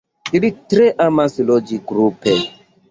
Ili tre emas loĝi grupe.